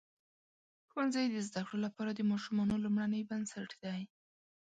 ښوونځی د زده کړو لپاره د ماشومانو لومړنۍ بنسټ دی.